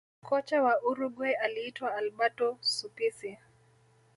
kocha wa uruguay aliitwa alberto suppici